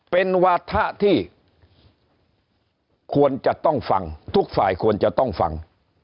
เป็นวาถะที่ควรจะต้องฟังทุกฝ่ายควรจะต้องฟัง